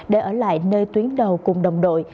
để ở lại nơi tuyến đầu cùng đồng đội